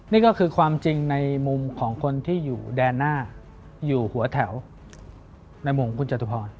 นี่ก็คือความจริงในมุมของคนที่อยู่แดนหน้าอยู่หัวแถวในมุมของคุณจตุพร